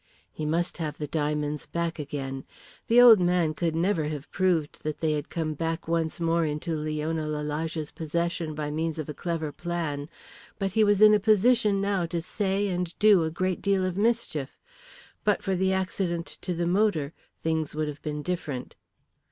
He must have the diamonds back again. The old man could never have proved that they had come back once more into Leona Lalage's possession by means of a clever plan, but he was in a position now to say and do a great deal of mischief. But for the accident to the motor, things would have been different.